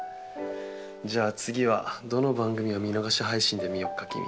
じゃあ次はどの番組を見逃し配信で見よっかキミ。